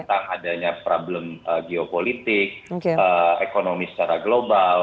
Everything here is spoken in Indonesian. tentang adanya problem geopolitik ekonomi secara global